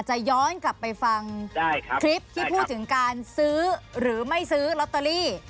จะย้อนกลับไปฟังคลิปที่พูดถึงการซื้อหรือไม่ซื้อลอตเตอรี่